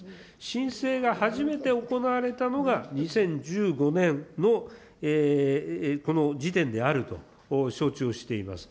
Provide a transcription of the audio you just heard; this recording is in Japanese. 申請が初めて行われたのが２０１５年の、この時点であると承知をしています。